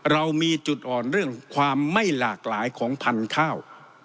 เรามีจุดอ่อนเรื่องความไม่หลากหลายของพันธุ์ข้าว